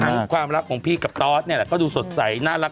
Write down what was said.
เขาบอกอยู่ว่ามีแฟนเสิร์นเห็นไหมครับ